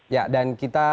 ya dan kita